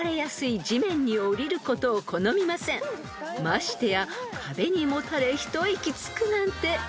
［ましてや壁にもたれ一息つくなんて］